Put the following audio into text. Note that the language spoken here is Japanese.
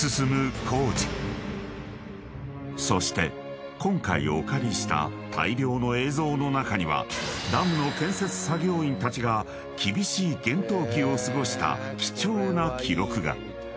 ［そして今回お借りした大量の映像の中にはダムの建設作業員たちが厳しい厳冬期を過ごした貴重な記録が］